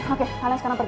oke kalian sekarang pergi